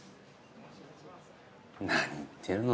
何言ってるの。